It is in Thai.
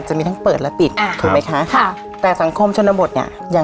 โหตายแล้วบอกหน่อยว่า